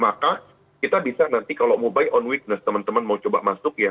maka kita bisa nanti kalau mau buy on weekness teman teman mau coba masuk ya